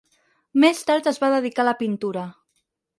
Més tard es va dedicar a la pintura.